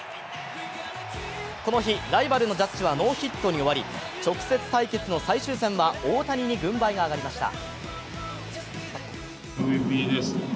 この日、ライバルのジャッジはノーヒットに終わり直接対決の最終戦は、大谷軍配が上がりました。